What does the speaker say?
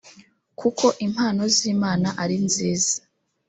kuko impano z imana ari nziza